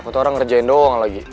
aku tuh orang ngerjain doang lagi